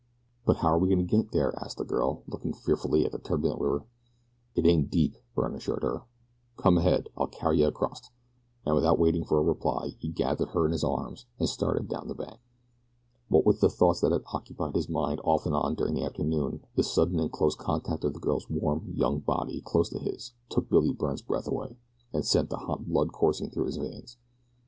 "But how are we to get there?" asked the girl, looking fearfully at the turbulent river. "It ain't deep," Byrne assured her. "Come ahead; I'll carry yeh acrost," and without waiting for a reply he gathered her in his arms and started down the bank. What with the thoughts that had occupied his mind off and on during the afternoon the sudden and close contact of the girl's warm young body close to his took Billy Byrne's breath away, and sent the hot blood coursing through his veins.